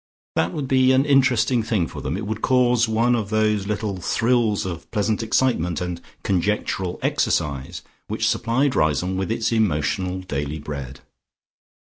That would be an interesting thing for them: it would cause one of those little thrills of pleasant excitement and conjectural exercise which supplied Riseholme with its emotional daily bread.